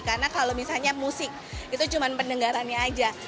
karena kalau misalnya musik itu cuma pendengarannya